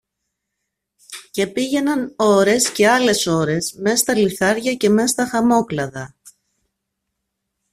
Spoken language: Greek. Και πήγαιναν ώρες και άλλες ώρες μες στα λιθάρια και μες τα χαμόκλαδα.